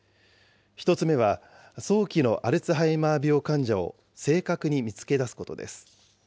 １つ目は、早期のアルツハイマー病患者を正確に見つけ出すことです。